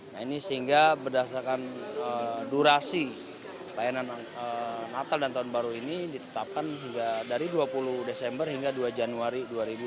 nah ini sehingga berdasarkan durasi layanan natal dan tahun baru ini ditetapkan hingga dari dua puluh desember hingga dua januari dua ribu dua puluh